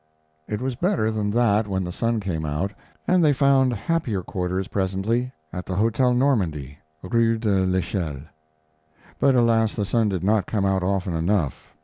It was better than that when the sun came out, and they found happier quarters presently at the Hotel Normandy, rue de l'Echelle. But, alas, the sun did not come out often enough.